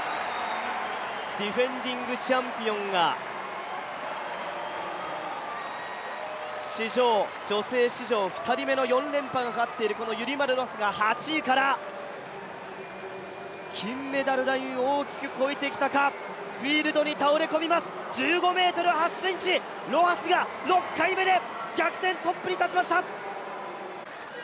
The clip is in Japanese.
ディフェンディングチャンピオンが女性史上２人目の４連覇がかかっているこのユリマル・ロハスが８位から金メダルラインを大きく超えてきたか、フィールドに倒れ込みます、１５ｍ８ｃｍロハスが６回目で逆転トップに立ちました。